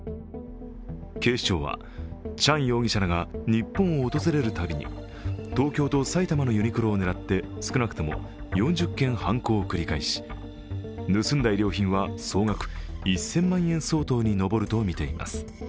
警視庁は、チャン容疑者らが日本を訪れる度に東京と埼玉のユニクロを狙って少なくとも４０件犯行を繰り返し、盗んだ衣料品は総額１０００万円相当に上るとみています。